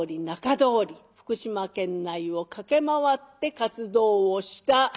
中通り福島県内を駆け回って活動をした。